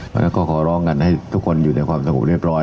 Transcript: แล้วก็ขอร้องกันให้ทุกคนอยู่ในความสมบูรณ์เรียบร้อย